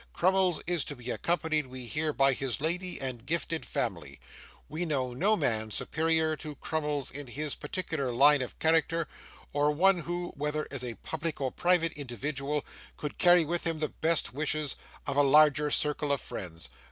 Crummles is to be accompanied, we hear, by his lady and gifted family. We know no man superior to Crummles in his particular line of character, or one who, whether as a public or private individual, could carry with him the best wishes of a larger circle of friends.